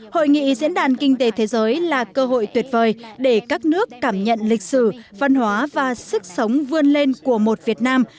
hội nghị diễn đàn kinh tế thế giới là cơ hội tuyệt vời để các nước cảm nhận lịch sử văn hóa và sức sống vươn lên của một việt nam